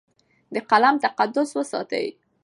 د قلم تقدس وساتئ.